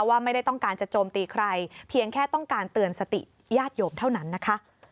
ว่าไม่ได้ต้องการจะโจมตีใครเพียงแค่ต้องการเตือนสติญาติโยมเท่านั้นนะคะ